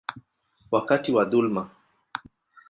wakati wa dhuluma.